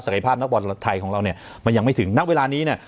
ภาพนักบอลไทยของเราเนี่ยมันยังไม่ถึงณเวลานี้เนี่ย